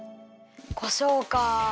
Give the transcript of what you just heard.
こしょうかあ。